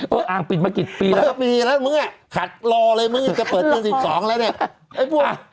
อ่างปิดมากี่ปีแล้วปีแล้วมึงอ่ะขัดรอเลยมึงจะเปิดตัว๑๒แล้วเนี่ย